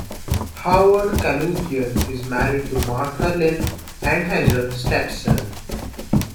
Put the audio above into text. Howard Kaloogian is married to Martha Lynn, and has a step-son.